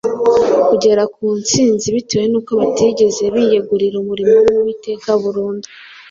kugera ku nsinzi bitewe n’uko batigeze biyegurira umurimo w’Uwiteka burundu.